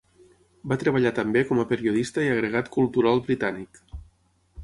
Va treballar també com a periodista i agregat cultural britànic.